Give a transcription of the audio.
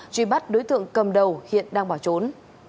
truy bắt đối tượng cầm đầu hiện đang bỏ trốn